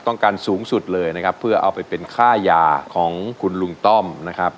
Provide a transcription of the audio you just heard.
สูงสุดเลยนะครับเพื่อเอาไปเป็นค่ายาของคุณลุงต้อมนะครับ